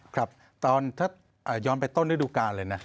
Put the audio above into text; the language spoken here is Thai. ครับถ้าย้อนไปต้นด้วยดูการเลยนะ